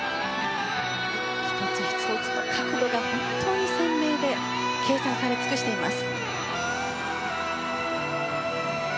１つ１つの角度が本当に鮮明で計算されつくしています。